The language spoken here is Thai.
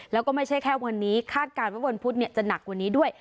แล้วก็ไม่ใช่แค่วันนี้คาดการณ์ว่าวันพุธจะหนักกว่านี้ด้วย